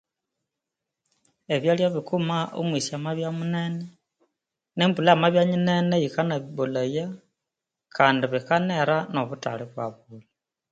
Ebyalya bikuma omwisi amabya munene Kandi nembulha yamabya nyinene yikanabimbolhaya kandi bikanera nobutali ibwabulha